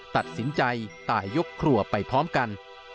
ตัดสินใจตายยกครัวไปพร้อมกัน